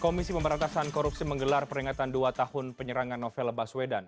komisi pemberantasan korupsi menggelar peringatan dua tahun penyerangan novel baswedan